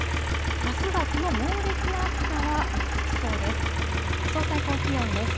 あすは、この猛烈な暑さは落ち着きそうです。